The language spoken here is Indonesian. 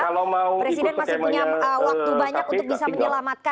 kalau mau ikut skemennya kpk